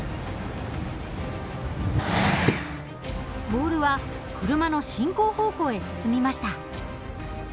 ボールは車の進行方向へ進みました。